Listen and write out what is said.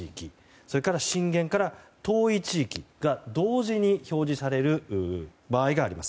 それから、震源から遠い地域が同時に表示される場合があります。